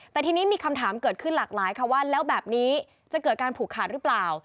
แต่ทีนี้มีคำถามเกิดขึ้นหลากหลายค่ะว่าแล้วแบบนี้จะเกิดการผูกขาดหรือเปล่า